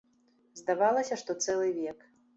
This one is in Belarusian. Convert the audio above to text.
Здавалася, што цэлы век.